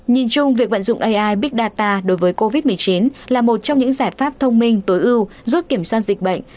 nhìn chung việc vận dụng ai big data đối với covid một mươi chín là một trong những giải pháp thông minh tối ưu giúp kiểm soát dịch bệnh